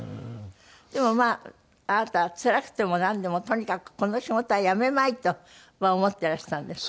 でもまああなたはつらくてもなんでもとにかくこの仕事は辞めまいと思ってらしたんですって？